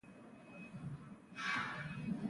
دروغجن په دنیا کې ډېر دي او رښتیني نژدې نشته.